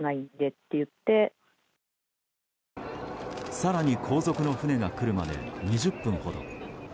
更に後続の船が来るまで２０分ほど。